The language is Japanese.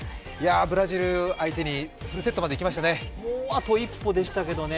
ブラジル相手にフルセットまでいきましたね。